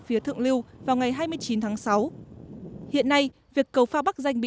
phía thượng lưu vào ngày hai mươi chín tháng sáu hiện nay việc cầu pha bắc danh bị